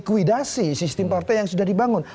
karena dia sudah menguidasi sistem partai yang sudah dibangun